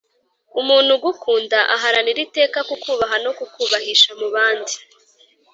umuntu ugukunda aharanira iteka kukubaha no kukubahisha mu bandi.